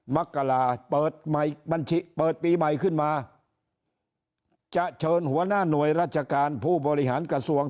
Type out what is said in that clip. มกลาเปิดปีใหม่ขึ้นมาจะเชิญหัวหน้าหน่วยราชการผู้บริหารกระทรวง